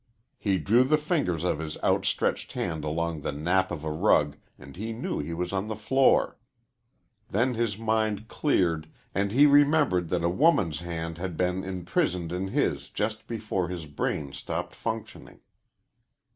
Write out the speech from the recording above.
He drew the fingers of his outstretched hand along the nap of a rug and he knew he was on the floor. Then his mind cleared and he remembered that a woman's hand had been imprisoned in his just before his brain stopped functioning.